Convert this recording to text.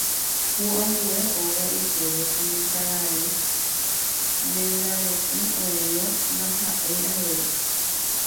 ku ambue hóga ykére kuñakarai mendare'ỹ oĩva ndaha'éi avei